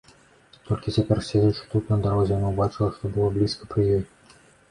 Толькі цяпер, седзячы тут, на дарозе, яна ўбачыла, што было блізка пры ёй.